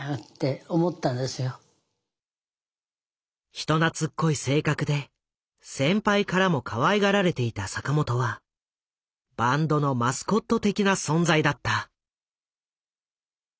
人懐っこい性格で先輩からもかわいがられていた坂本はバンドのマスコット的な存在だった。